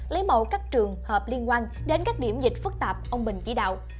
lấy mẫu các trường hợp liên quan đến các điểm dịch phức tạp ông bình chỉ đạo